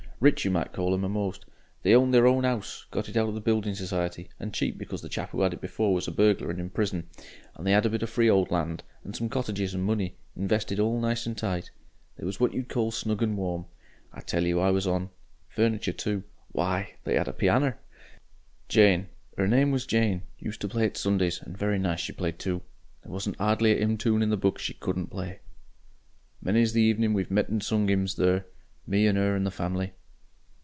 Rich you might call 'em a'most. They owned their own 'ouse got it out of the Building Society, and cheap because the chap who had it before was a burglar and in prison and they 'ad a bit of free'old land, and some cottages and money 'nvested all nice and tight: they was what you'd call snug and warm. I tell you, I was On. Furniture too. Why! They 'ad a pianner. Jane 'er name was Jane used to play it Sundays, and very nice she played too. There wasn't 'ardly a 'im toon in the book she COULDN'T play... "Many's the evenin' we've met and sung 'ims there, me and 'er and the family.